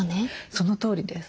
そのとおりです。